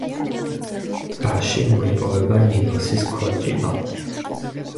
ტბაში მოიპოვება ნილოსის ქორჭილა.